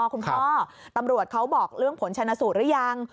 ตำรวจเขาบอกเรื่องผลชนะสูตรหรือยัง